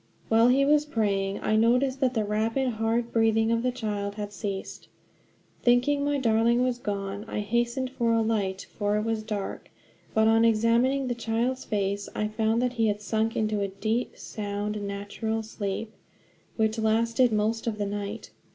While he was praying I noticed that the rapid, hard breathing of the child had ceased. Thinking my darling was gone, I hastened for a light, for it was dark; but on examining the child's face I found that he had sunk into a deep, sound, natural sleep, which lasted most of the night.